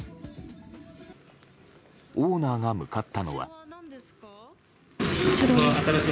オーナーが向かったのは。